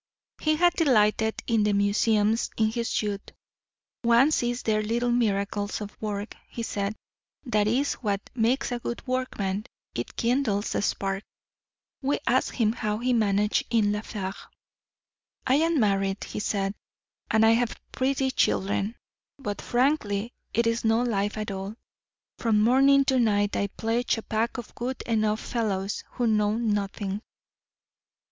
He had delighted in the museums in his youth. 'One sees there little miracles of work,' he said; 'that is what makes a good workman; it kindles a spark.' We asked him how he managed in La Fère. 'I am married,' he said, 'and I have my pretty children. But frankly, it is no life at all. From morning to night I pledge a pack of good enough fellows who know nothing.